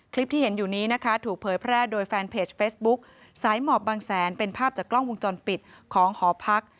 คลิปที่เห็นอยู่นี้นะคะถูกเผยแพร่โดยแฟนเพจเฟซบุ๊คสายหมอบบางแสนเป็นภาพจากกล้องวงจรปิดของหอพัก